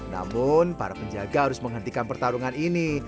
namun para penjaga harus menghentikan pertarungan ini